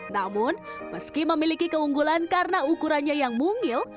namun meski memiliki keunggulan karena ukurannya yang mungil